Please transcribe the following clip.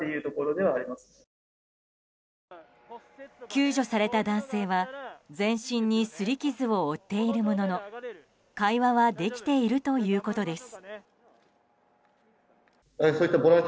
救助された男性は全身に擦り傷を負っているものの会話はできているということです。